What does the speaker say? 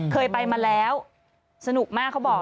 เคยไปมาแล้วสนุกมากเขาบอก